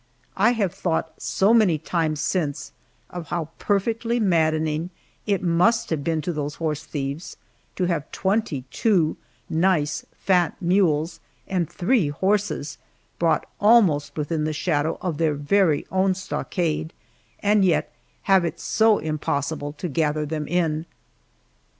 I have thought so many times since of how perfectly maddening it must have been to those horse thieves to have twenty two nice fat mules and three horses brought almost within the shadow of their very own stockade, and yet have it so impossible to gather them in!